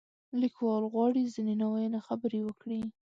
لیکوال غواړي ځینې نا ویلې خبرې وکړي.